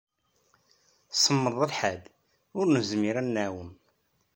Semmeḍ lḥal, ur nezmir ad nɛum.